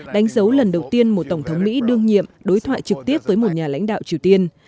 đánh dấu lần đầu tiên một tổng thống mỹ đương nhiệm đối thoại trực tiếp với một nhà lãnh đạo triều tiên